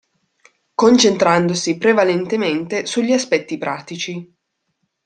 Concentrandosi prevalentemente sugli aspetti pratici.